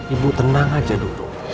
ibu tenang aja dulu